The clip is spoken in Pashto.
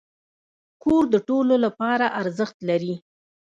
کور د ټولو لپاره ارزښت لري.